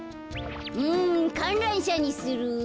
うんかんらんしゃにする。